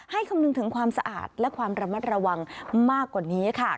คำนึงถึงความสะอาดและความระมัดระวังมากกว่านี้ค่ะ